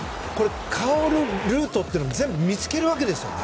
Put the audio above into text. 薫ルートというのを全部見つけるわけですね。